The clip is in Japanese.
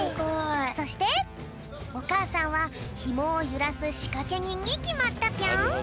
そしておかあさんはヒモをゆらすしかけにんにきまったぴょん。